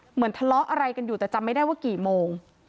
เหมือนทะเลาะอะไรกันอยู่แต่จำไม่ได้ว่ากี่โมง